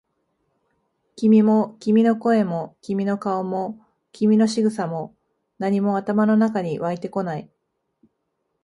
君も、君の声も、君の顔も、君の仕草も、何も頭の中に湧いてこない。